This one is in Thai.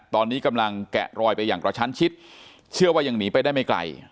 ตอนนี้กำลังแกะรอยไปอย่างกระชั้นชิดเชื่อว่ายังหนีไปได้ไม่ไกล